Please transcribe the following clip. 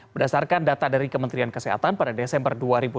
berdasarkan data dari kementerian kesehatan pada desember dua ribu dua puluh